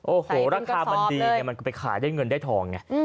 โอ้โหราคามันดีไงมันก็ไปขายได้เงินได้ทองไง